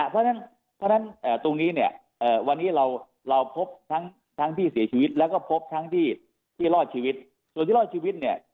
เพราะฉะนั้นตรงนี้เนี่ยวันนี้เราพบทั้งที่เสียชีวิตแล้วก็พบทั้งที่รอดชีวิตส่วนที่รอดชีวิตเนี่ย